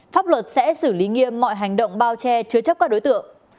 pháp luật sẽ xử lý nghiêm mọi hành động bao che chứa chấp các đối tượng